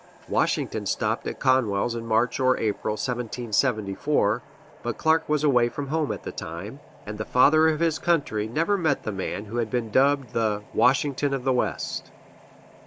Washington stopped at Conwell's in March or April, 1774; but Clark was away from home at the time, and the "Father of his Country" never met the man who has been dubbed the "Washington of the West."